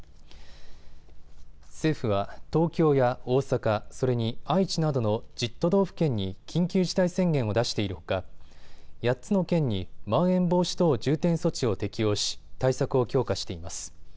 政府は東京や大阪、それに愛知などの１０都道府県に緊急事態宣言を出しているほか８つの県にまん延防止等重点措置を適用し対策を強化しています。